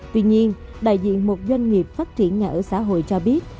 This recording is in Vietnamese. tuy nhiên đại diện một doanh nghiệp phát triển nhà ở xã hội cho biết